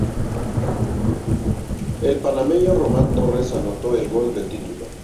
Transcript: El panameño Román Torres anotó el gol del título.